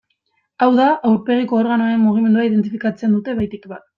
Hau da, aurpegiko organoen mugimendua identifikatzen dute batik bat.